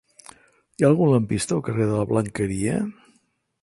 Hi ha algun lampista al carrer de la Blanqueria?